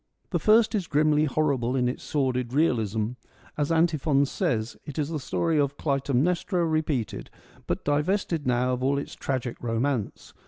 The first is grimly horrible in its sordid realism ; as Antiphon says, it is the story of Clytemnestra repeated, but divested now of all its tragic romance.